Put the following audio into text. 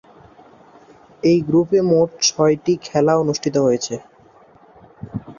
এই গ্রুপে মোট ছয়টি খেলা অনুষ্ঠিত হয়েছে।